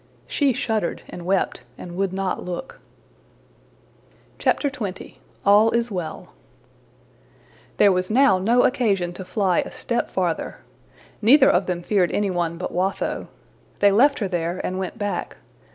She shuddered and wept, and would not look. XX. All Is Well THERE was now no occasion to fly a step farther. Neither of them feared anyone but Watho. They left her there and went back.